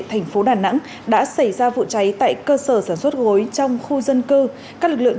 thành phố đà nẵng đã xảy ra vụ cháy tại cơ sở sản xuất gối trong khu dân cư các lực lượng